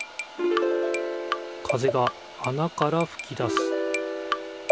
風があなからふき出す。